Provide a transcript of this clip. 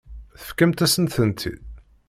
Tefkamt-asen-tent-id.